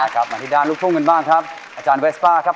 กลับมาที่ด้านลูกทุ่งกันบ้างครับอาจารย์เวสป้าครับ